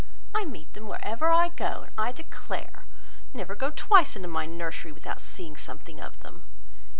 I meet them wherever I go; and I declare, I never go twice into my nursery without seeing something of them.